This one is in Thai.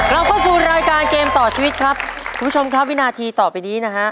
เราเข้าสู่รายการเกมต่อชีวิตครับคุณผู้ชมครับวินาทีต่อไปนี้นะฮะ